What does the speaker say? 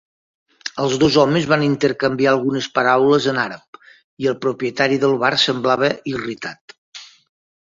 Els dos homes van intercanviar algunes paraules en àrab, i el propietari del bar semblava irritat.